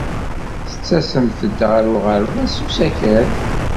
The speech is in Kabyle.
Tettasemt-d ɣer uɣerbaz s usakal?